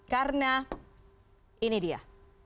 karena ini dia